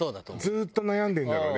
ずっと悩んでるんだろうね